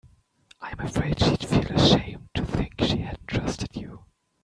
I'm afraid she'd feel ashamed to think she hadn't trusted you.